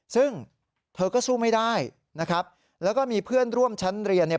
ซึ่งเธอก็สู้ไม่ได้นะครับแล้วก็มีเพื่อนร่วมชั้นเรียนเนี่ย